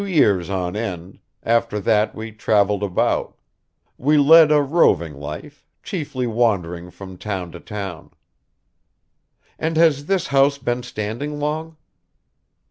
"Two years on end; after that we traveled about. We led a roving life, chiefly wandering from town to town." "And has this house been standing long?"